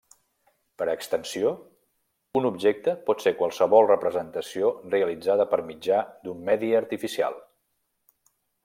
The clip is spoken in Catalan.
Per extensió, un objecte pot ser qualsevol representació realitzada per mitjà d'un medi artificial.